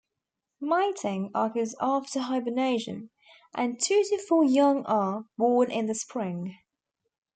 Mating occurs after hibernation, and two to four young are born in the spring.